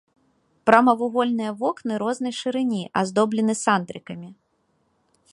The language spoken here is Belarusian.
Прамавугольныя вокны рознай шырыні аздоблены сандрыкамі.